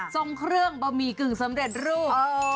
ทรงเครื่องบะหมี่กึ่งสำเร็จรูป